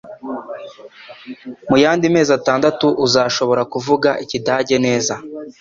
Muyandi mezi atandatu uzashobora kuvuga Ikidage neza